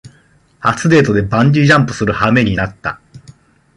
初デートでバンジージャンプするはめになった